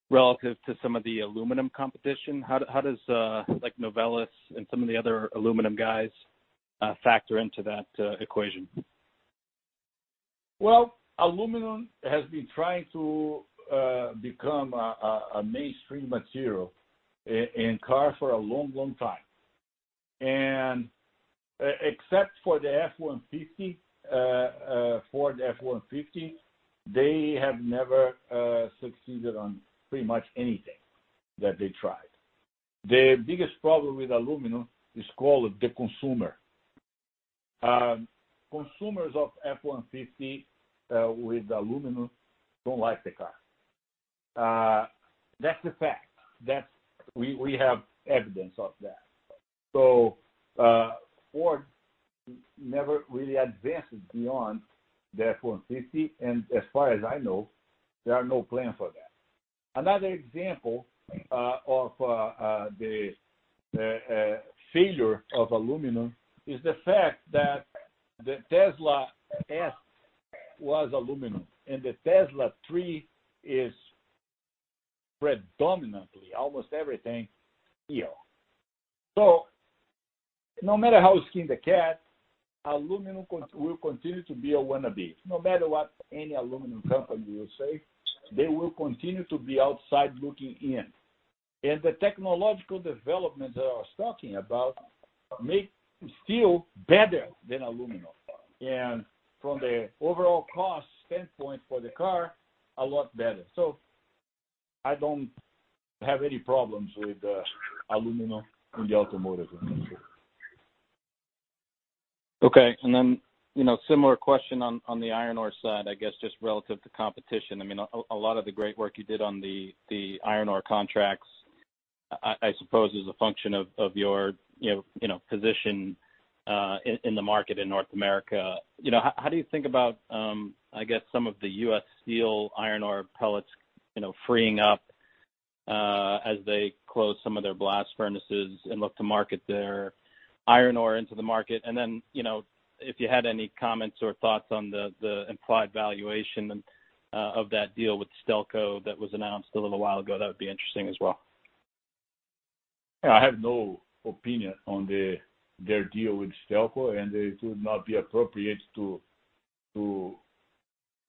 S8: relative to some of the aluminum competition? How does Novelis and some of the other aluminum guys factor into that equation?
S2: Well, aluminum has been trying to become a mainstream material in cars for a long time. Except for the F-150, Ford F-150, they have never succeeded on pretty much anything that they tried. The biggest problem with aluminum is called the consumer. Consumers of F-150 with aluminum don't like the car. That's a fact. We have evidence of that. Ford never really advances beyond the F-150, and as far as I know, there are no plan for that. Another example of the failure of aluminum is the fact that the Tesla S was aluminum, and the Tesla 3 is predominantly, almost everything, steel. No matter how we skin the cat, aluminum will continue to be a wannabe. No matter what any aluminum company will say, they will continue to be outside looking in. The technological developments that I was talking about make steel better than aluminum. From the overall cost standpoint for the car, a lot better. I don't have any problems with aluminum in the automotive industry.
S8: Okay. Similar question on the iron ore side, I guess, just relative to competition. A lot of the great work you did on the iron ore contracts, I suppose is a function of your position in the market in North America. How do you think about some of the U.S. Steel iron ore pellets freeing up as they close some of their blast furnaces and look to market their iron ore into the market? If you had any comments or thoughts on the implied valuation of that deal with Stelco that was announced a little while ago, that would be interesting as well.
S2: Yeah. I have no opinion on their deal with Stelco, and it would not be appropriate to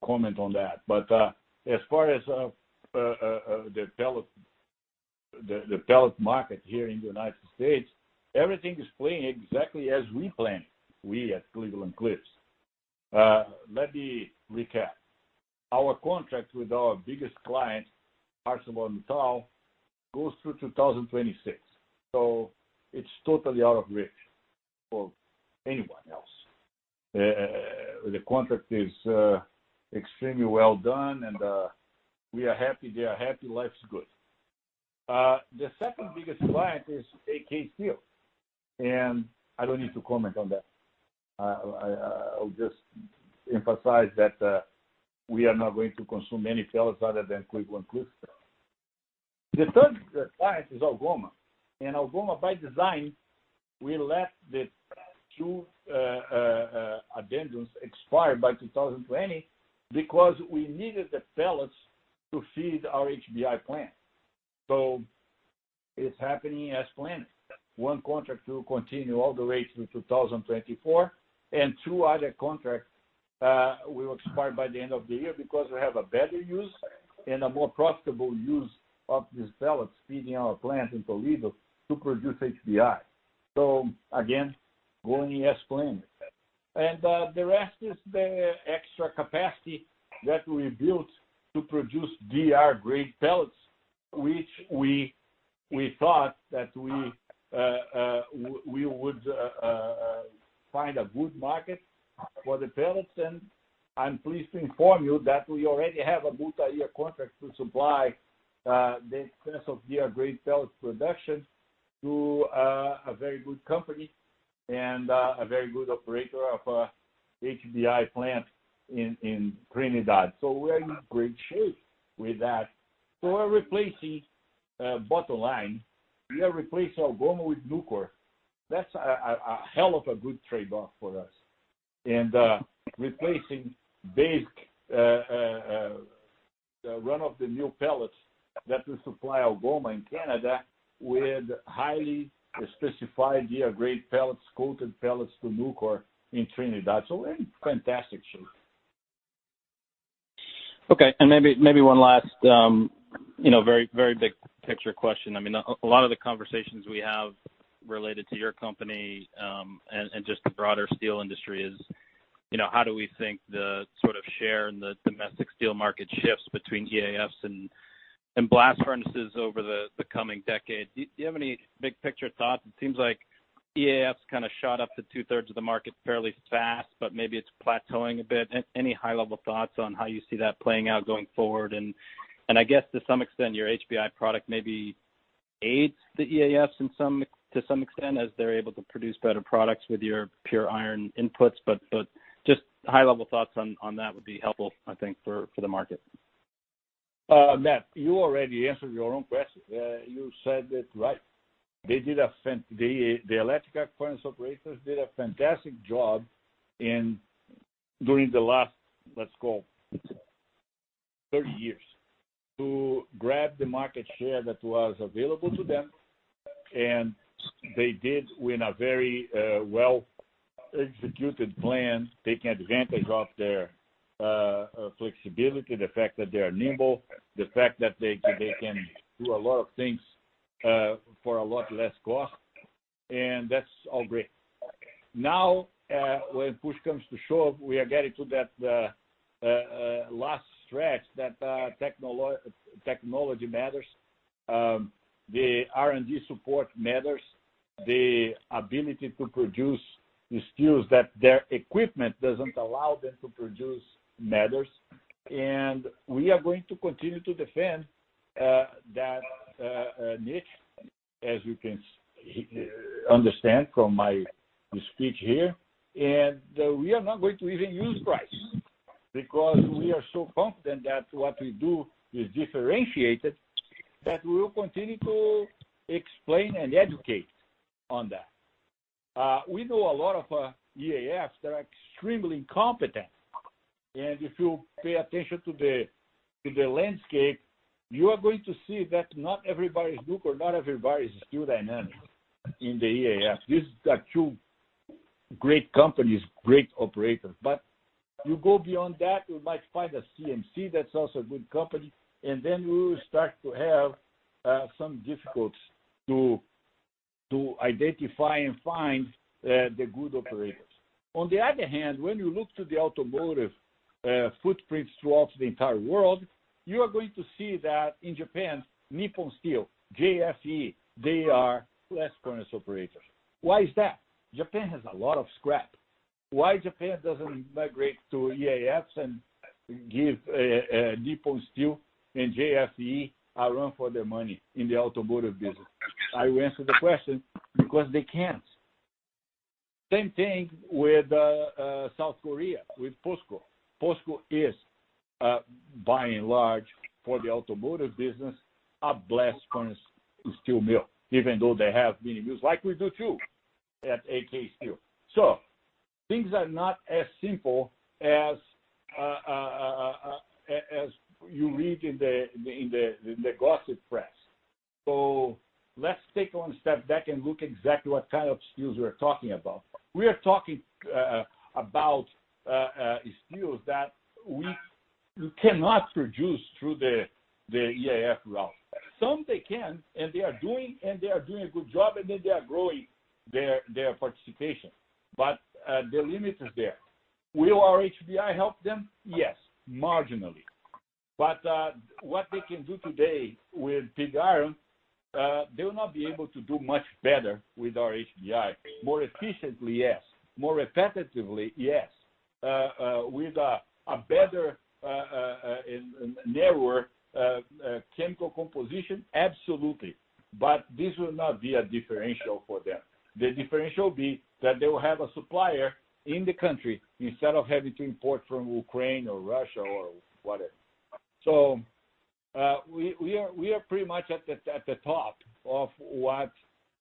S2: comment on that. As far as the pellet market here in the United States, everything is playing exactly as we planned. We at Cleveland-Cliffs. Let me recap. Our contract with our biggest client, ArcelorMittal, goes through 2026, so it's totally out of reach for anyone else. The contract is extremely well done, and we are happy, they are happy, life's good. The second biggest client is AK Steel. I don't need to comment on that. I'll just emphasize that we are not going to consume any pellets other than Cleveland-Cliffs pellets. The third client is Algoma. Algoma, by design, we let the two addendums expire by 2020 because we needed the pellets to feed our HBI plant. It's happening as planned. One contract will continue all the way through 2024, and two other contracts will expire by the end of the year because we have a better use and a more profitable use of these pellets feeding our plant in Toledo to produce HBI. Again, going as planned. The rest is the extra capacity that we built to produce DR-grade pellets, which we thought that we would find a good market for the pellets. I'm pleased to inform you that we already have a multi-year contract to supply the kind of DR-grade pellets production to a very good company and a very good operator of a HBI plant in Trinidad. We're in great shape with that. We're replacing, bottom line, we are replacing Algoma with Nucor. That's a hell of a good trade-off for us. Replacing basic run-of-the-mill pellets that we supply Algoma in Canada with highly specified DR-grade pellets, coated pellets to Nucor in Trinidad. We're in fantastic shape.
S8: Okay. Maybe one last very big picture question. A lot of the conversations we have related to your company, and just the broader steel industry is, how do we think the sort of share in the domestic steel market shifts between EAFs and blast furnaces over the coming decade. Do you have any big picture thoughts? It seems like EAFs kind of shot up to 2/3 of the market fairly fast, but maybe it's plateauing a bit. Any high level thoughts on how you see that playing out going forward? I guess to some extent, your HBI product maybe aids the EAFs to some extent as they're able to produce better products with your pure iron inputs, but just high level thoughts on that would be helpful, I think, for the market.
S2: Matt, you already answered your own question. You said it right. The electric arc furnace operators did a fantastic job during the last, let's call it, 30 years to grab the market share that was available to them. They did with a very well executed plan, taking advantage of their flexibility, the fact that they are nimble, the fact that they can do a lot of things for a lot less cost. That's all great. Now, when push comes to shove, we are getting to that last stretch that technology matters. The R&D support matters. The ability to produce the steels that their equipment doesn't allow them to produce matters. We are going to continue to defend that niche, as you can understand from my speech here. We are not going to even use price because we are so confident that what we do is differentiated, that we will continue to explain and educate on that. We know a lot of EAFs. They're extremely competent. If you pay attention to the landscape, you are going to see that not everybody is Nucor, not everybody is Steel Dynamics in the EAF. These are two great companies, great operators. You go beyond that, you might find a CMC, that's also a good company, and then we will start to have some difficulties to identify and find the good operators. On the other hand, when you look to the automotive footprints throughout the entire world, you are going to see that in Japan, Nippon Steel, JFE, they are blast furnace operators. Why is that? Japan has a lot of scrap. Why Japan doesn't migrate to EAFs and give Nippon Steel and JFE a run for their money in the automotive business? I will answer the question, because they can't. Same thing with South Korea, with POSCO. POSCO is, by and large, for the automotive business, a blast furnace steel mill. Even though they have mini-mills, like we do, too, at AK Steel. Things are not as simple as you read in the gossip press. Let's take one step back and look exactly what kind of steels we are talking about. We are talking about steels that we cannot produce through the EAF route. Some they can, and they are doing a good job, and then they are growing their participation. The limit is there. Will our HBI help them? Yes, marginally. What they can do today with pig iron, they will not be able to do much better with our HBI. More efficiently, yes. More repetitively, yes. With a better and narrower chemical composition, absolutely. This will not be a differential for them. The differential will be that they will have a supplier in the country instead of having to import from Ukraine or Russia or whatever. We are pretty much at the top of what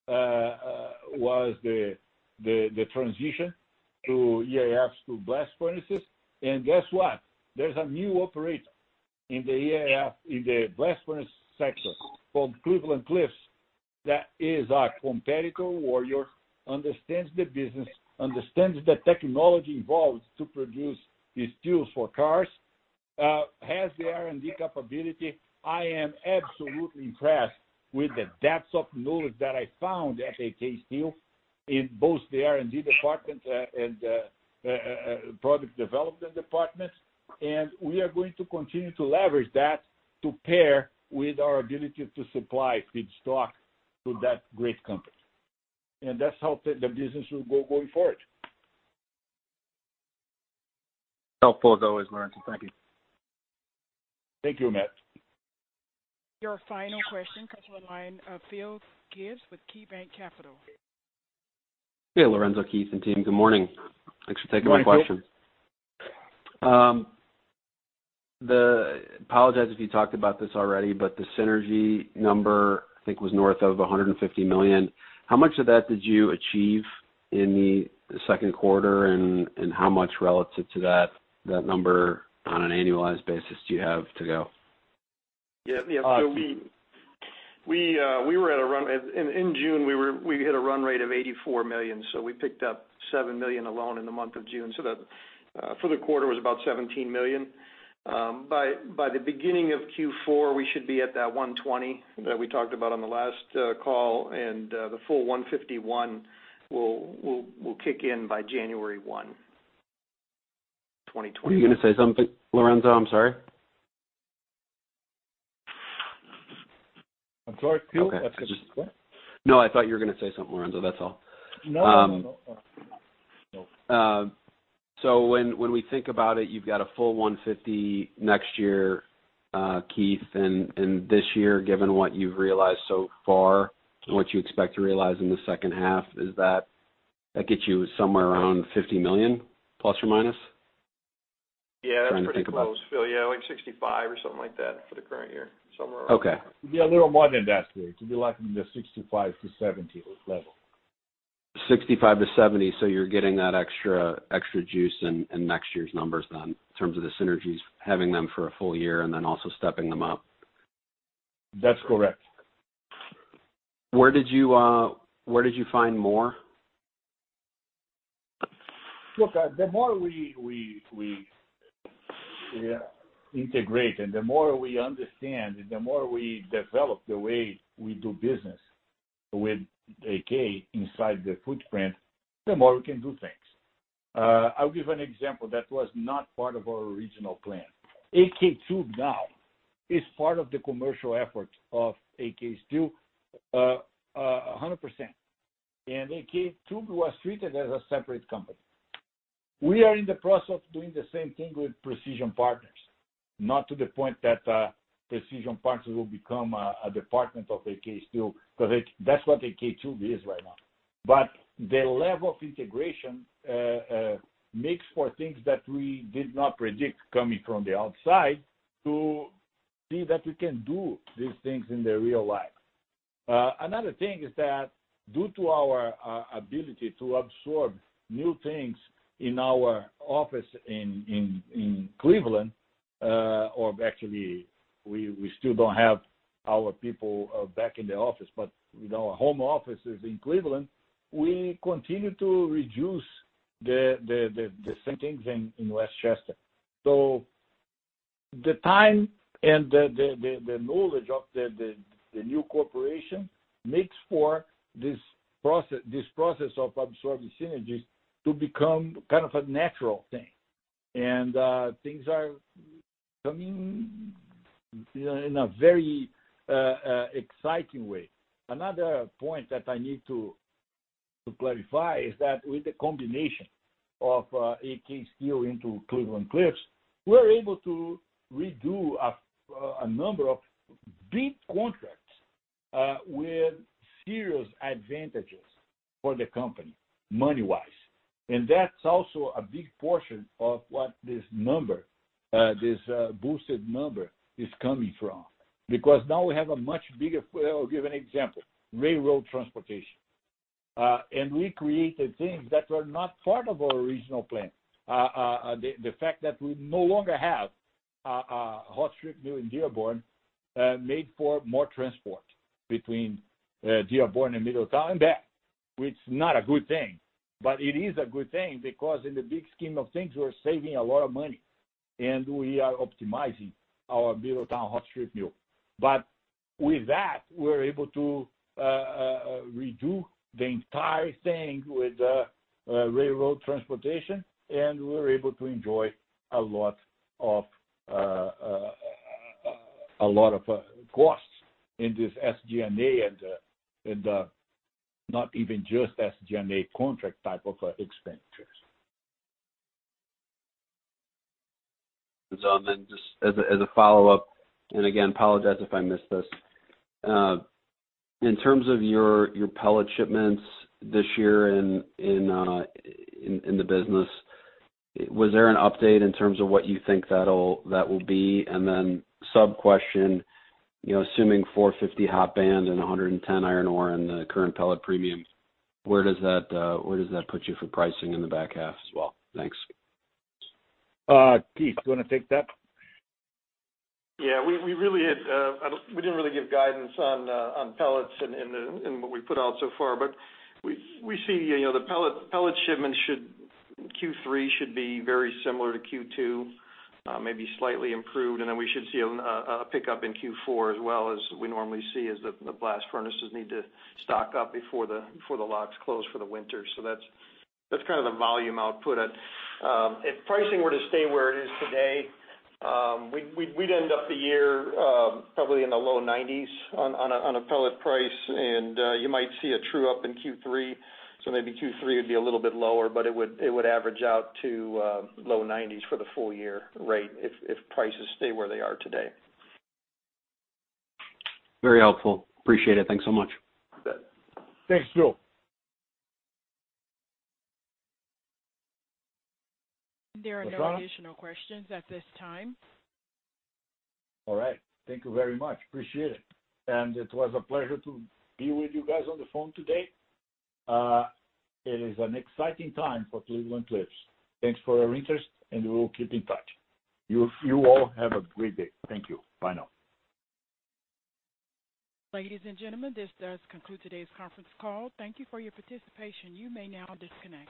S2: was the transition to EAFs to blast furnaces. Guess what? There's a new operator in the EAF, in the blast furnace sector, called Cleveland-Cliffs, that is our competitor who understands the business, understands the technology involved to produce these steels for cars, has the R&D capability. I am absolutely impressed with the depths of knowledge that I found at AK Steel in both the R&D department and product development departments. We are going to continue to leverage that to pair with our ability to supply feedstock to that great company. That's how the business will go going forward.
S8: Helpful as always, Lourenco. Thank you.
S2: Thank you, Matt.
S1: Your final question comes on the line of Phil Gibbs with KeyBanc Capital.
S9: Hey, Lourenco, Keith, and team, good morning. Thanks for taking my question.
S2: Good morning, Phil.
S9: I apologize if you talked about this already, but the synergy number, I think, was north of $150 million. How much of that did you achieve in the second quarter, and how much relative to that number on an annualized basis do you have to go?
S3: Yeah. In June, we hit a run rate of $84 million, so we picked up $7 million alone in the month of June. For the quarter, it was about $17 million. By the beginning of Q4, we should be at that $120 million that we talked about on the last call, and the full $151 million will kick in by January 1, 2021.
S9: Were you going to say something, Lourenco? I'm sorry.
S2: I'm sorry, Phil. What?
S9: No, I thought you were going to say something, Lourenco. That's all.
S2: No.
S9: When we think about it, you've got a full $150 million next year, Keith, and this year, given what you've realized so far and what you expect to realize in the second half, is that gets you somewhere around ±$50 million? Trying to think about it.
S3: Yeah, that's pretty close, Phil. Yeah, like $65 million or something like that for the current year. Somewhere around there.
S9: Okay.
S2: Yeah, a little more than that, Phil. It could be like in the $65 million-$70 million level.
S9: $65 million-$70 million. You're getting that extra juice in next year's numbers then, in terms of the synergies, having them for a full year and then also stepping them up.
S2: That's correct.
S9: Where did you find more?
S2: Look, the more we integrate and the more we understand and the more we develop the way we do business with AK inside the footprint, the more we can do things. I'll give an example that was not part of our original plan. AK Tube now is part of the commercial effort of AK Steel, 100%. AK Tube was treated as a separate company. We are in the process of doing the same thing with Precision Partners, not to the point that Precision Partners will become a department of AK Steel, because that's what AK Tube is right now. The level of integration makes for things that we did not predict coming from the outside to see that we can do these things in the real life. Another thing is that due to our ability to absorb new things in our office in Cleveland, or actually, we still don't have our people back in the office, but our home office is in Cleveland, we continue to reduce the same things in West Chester. The time and the knowledge of the new corporation makes for this process of absorbing synergies to become kind of a natural thing. Things are coming in a very exciting way. Another point that I need to clarify is that with the combination of AK Steel into Cleveland-Cliffs, we're able to redo a number of big contracts with serious advantages for the company, money-wise. That's also a big portion of what this boosted number is coming from, because now we have, I'll give an example, railroad transportation. We created things that were not part of our original plan. The fact that we no longer have a hot strip mill in Dearborn made for more transport between Dearborn and Middletown and back, which is not a good thing. It is a good thing because in the big scheme of things, we're saving a lot of money, and we are optimizing our Middletown hot strip mill. With that, we're able to redo the entire thing with railroad transportation, and we're able to enjoy a lot of costs in this SG&A, and not even just SG&A contract type of expenditures.
S9: Just as a follow-up, again, apologize if I missed this. In terms of your pellet shipments this year in the business, was there an update in terms of what you think that will be? Sub-question, assuming $450 hot band and $110 iron ore and the current pellet premium, where does that put you for pricing in the back half as well? Thanks.
S2: Keith, you want to take that?
S3: Yeah, we didn't really give guidance on pellets in what we put out so far. We see the pellet shipment Q3 should be very similar to Q2, maybe slightly improved. We should see a pickup in Q4 as well, as we normally see as the blast furnaces need to stock up before the locks close for the winter. That's kind of the volume output. If pricing were to stay where it is today, we'd end up the year probably in the low $90s on a pellet price, and you might see a true up in Q3. Maybe Q3 would be a little bit lower, but it would average out to low $90s for the full-year rate if prices stay where they are today.
S9: Very helpful. Appreciate it. Thanks so much.
S2: You bet. Thanks, Phil.
S1: There are no additional questions at this time.
S2: All right. Thank you very much. Appreciate it. It was a pleasure to be with you guys on the phone today. It is an exciting time for Cleveland-Cliffs. Thanks for your interest, and we will keep in touch. You all have a great day. Thank you. Bye now.
S1: Ladies and gentlemen, this does conclude today's conference call. Thank you for your participation. You may now disconnect.